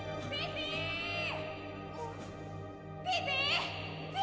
ピピ！